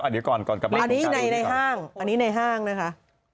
อันนี้ในห้างอันนี้ในห้างนะครับ